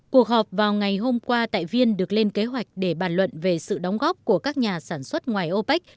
cuộc họp vào ngày hôm qua tại viên được lên kế hoạch để bàn luận về sự đóng góp của các nhà sản xuất ngoài opec